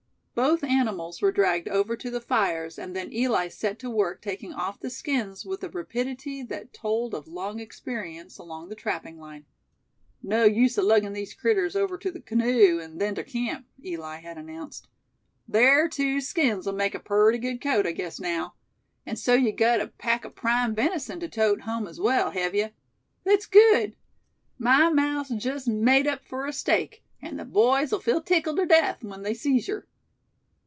Both animals were dragged over to the fires, and then Eli set to work taking off the skins with a rapidity that told of long experience along the trapping line. "No use aluggin' these critters over ter the canoe, and then ter camp," Eli had announced. "Ther two skins'll make a purty good coat, I guess naow. An' so ye gut a pack o' prime venison to tote home as well, hev ye? Thet's good. My mouth's jes' made up fur a steak; an' the boys'll feel tickled ter death when they sees yer."